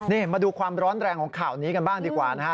นี่มาดูความร้อนแรงของข่าวนี้กันบ้างดีกว่านะฮะ